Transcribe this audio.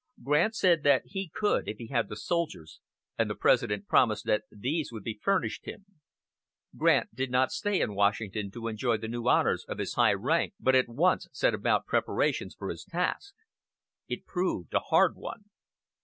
Grant said that he could if he had the soldiers, and the President promised that these would be furnished him. Grant did not stay in Washington to enjoy the new honors of his high rank, but at once set about preparations for his task. It proved a hard one.